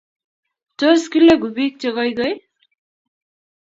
tos kileku biik che koikoi?